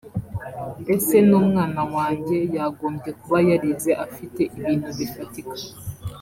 Ese n’umwana wanjye yagombye kuba yarize afite ibintu bifatika